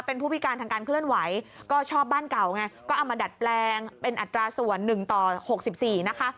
เป็นผู้พิการทางการเคลื่อนไหวก็ชอบบ้านเก่าไงก็เอามาดัดแปลงเป็นอัตราส่วน๑ต่อ๖๔นะคะ